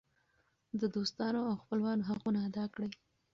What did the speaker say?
د دوستانو او خپلوانو حقونه ادا کړئ.